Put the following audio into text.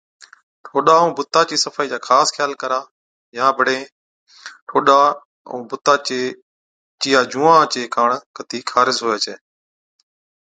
ٺوڏا ائُون بُتا چِي صفائِي چا خاص خيال ڪرا يان بڙي ٺوڏا ائُون بُتا چِيا جُونئان چي ڪاڻ ڪتِي خارس هُوَي ڇَي